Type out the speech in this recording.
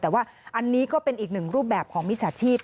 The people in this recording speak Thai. แต่ว่าอันนี้ก็เป็นอีกหนึ่งรูปแบบของมิจฉาชีพ